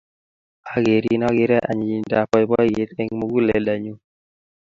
Akerin akere anyinyindap poipoiyet eng' muguleldanyu.